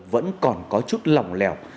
vẫn còn có chút lòng lèo